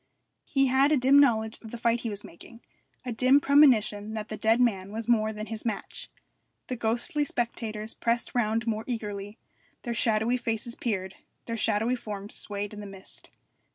He had a dim knowledge of the fight he was making, a dim premonition that the dead man was more than his match. The ghostly spectators pressed round more eagerly, their shadowy faces peered, their shadowy forms swayed in the mist.